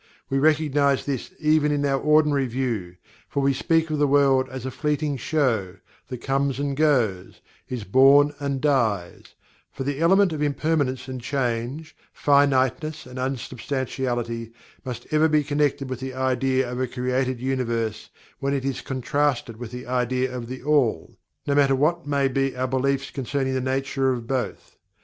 We recognize this even in our ordinary view, for we speak of the world as "a fleeting show" that comes and goes, is born and dies for the element of impermanence and change, finiteness and unsubstantiality, must ever be connected with the idea of a created Universe when it is contrasted with the idea of THE ALL, no matter what may be our beliefs concerning the nature of both.